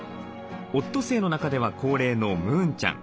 オットセイの中では高齢のムーンちゃん。